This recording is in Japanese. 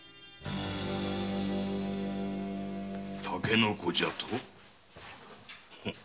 竹の子じゃと？